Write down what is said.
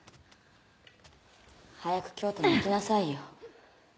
早く京都に行きなさいよ。